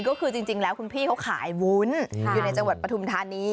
ก็คือจริงแล้วคุณพี่เขาขายวุ้นอยู่ในจังหวัดปฐุมธานี